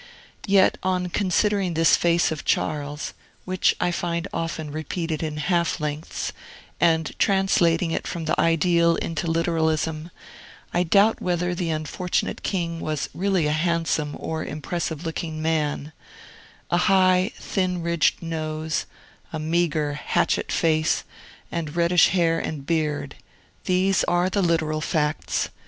Yet, on considering this face of Charles (which I find often repeated in half lengths) and translating it from the ideal into literalism, I doubt whether the unfortunate king was really a handsome or impressive looking man: a high, thin ridged nose, a meagre, hatchet face, and reddish hair and beard, these are the literal facts.